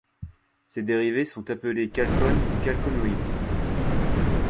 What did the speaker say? Ces dérivés sont appelés chalcones ou chalconoïdes.